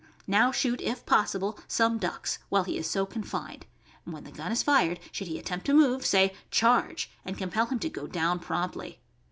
Now shoot, if possible, some ducks, while he is so confined; when the gun is fired, should he attempt to move, say "Charge!" and compel him to go down promptly.